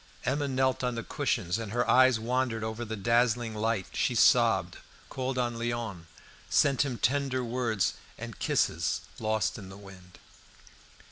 Emma knelt on the cushions and her eyes wandered over the dazzling light. She sobbed; called on Léon, sent him tender words and kisses lost in the wind.